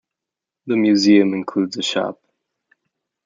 The museum includes a shop.